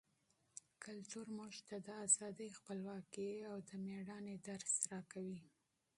فرهنګ موږ ته د ازادۍ، خپلواکۍ او د مېړانې درس راکوي.